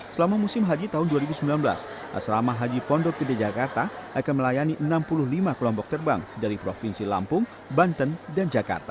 selama musim haji tahun dua ribu sembilan belas asrama haji pondok gede jakarta akan melayani enam puluh lima kelompok terbang dari provinsi lampung banten dan jakarta